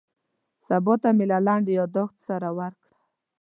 سبا ته مې له لنډ یاداښت سره ورکړه.